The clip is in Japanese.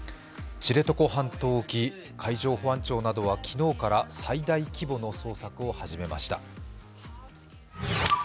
知床半島沖、海上保安庁などは昨日から最大規模の捜索を始めました。